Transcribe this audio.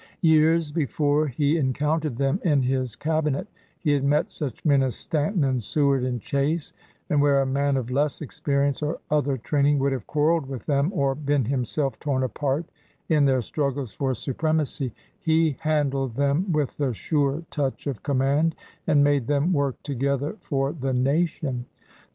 Years before he encountered them in his cab inet, he had met such men as Stanton and Seward and Chase; and where a man of less experience or other training would have quarreled with them or been himself torn apart in their struggles for supremacy, he handled them with the sure touch 206 LEADER OF THE BAR of command and made them work together for the nation.